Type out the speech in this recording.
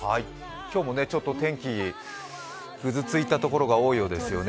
今日もちょっと天気、ぐずついたところが多いようですよね。